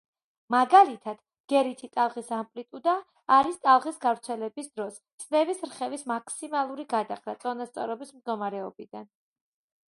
მაგალითად, ბგერითი ტალღის ამპლიტუდა არის ტალღის გავრცელების დროს წნევის რხევის მაქსიმალური გადახრა წონასწორობის მდგომარეობიდან.